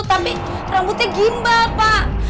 tapi rambutnya gimbal pak